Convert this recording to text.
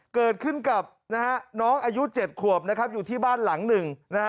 เกิดขึ้นกับนะฮะน้องอายุ๗ขวบนะครับอยู่ที่บ้านหลังหนึ่งนะฮะ